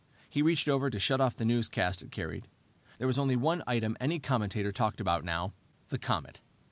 He reached over to shut off the newscast it carried. There was only one item any commentator talked about now, the comet.